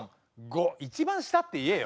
一番下って言えよ。